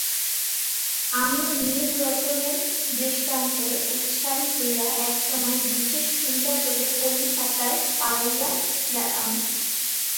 আমিও নীলরতনের দৃষ্টান্তে উৎসাহিত হইয়া একসময় বিশেষ সুবিধাযোগে কলিকাতায় পালাইয়া গেলাম।